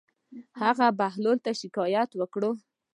هغه بهلول ته شکايت وکړ.